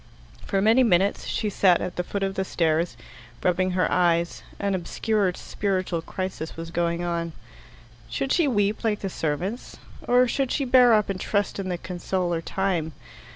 For many minutes she sat at the foot of the stairs, rubbing her eyes. An obscure spiritual crisis was going on. Should she weep like the servants? Or should she bear up and trust in the consoler Time?